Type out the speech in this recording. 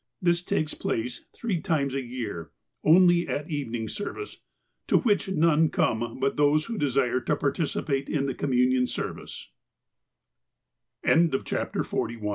"This takes place three times a year, only at evening service, to which none come but those who desire to participate in the Communion